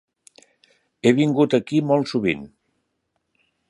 He vingut aquí molt sovint.